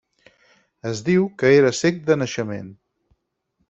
Es diu que era cec de naixement.